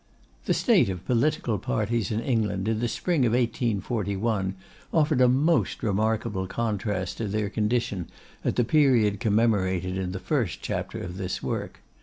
The state of political parties in England in the spring of 1841 offered a most remarkable contrast to their condition at the period commemorated in the first chapter of this work.